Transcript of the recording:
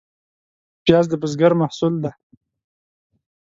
پیاز د بزګر محصول دی